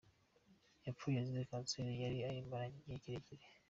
Yapfuye azize kanseri, yari ayimaranye igihe kirekire.